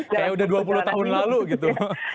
kayak udah dua puluh tahun lalu gitu